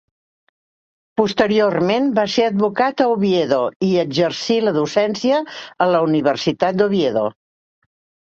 Posteriorment va ser advocat a Oviedo i exercí la docència a la Universitat d'Oviedo.